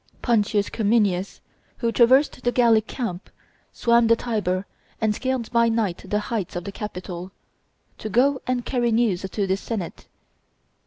Pontius Cominius, who traversed the Gallic camp, swam the Tiber, and scaled by night the heights of the Capitol, to go and carry news to the senate; M.